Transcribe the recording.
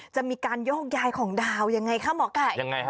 จะมีการย่องย้ายของดาวยังไงคะหมอไก่